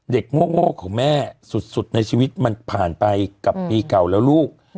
โง่ของแม่สุดในชีวิตมันผ่านไปกับปีเก่าแล้วลูก